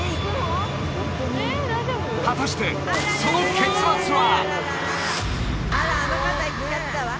果たしてその結末は！？